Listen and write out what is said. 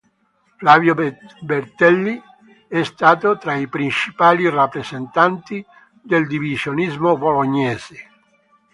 Flavio Bertelli è stato tra i principali rappresentanti del divisionismo bolognese.